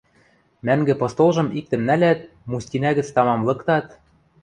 Мӓнгӹ постолжым иктӹм нӓлят, мустинӓ гӹц тамам лыктат